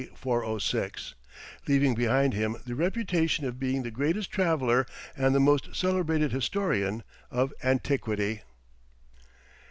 406, leaving behind him the reputation of being the greatest traveller and the most celebrated historian of antiquity.